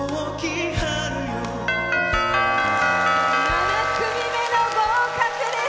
７組目の合格です。